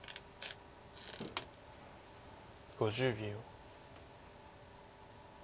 ５０秒。